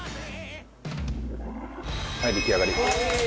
はい出来上がり。